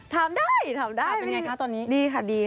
ถามได้ถามเป็นไงคะตอนนี้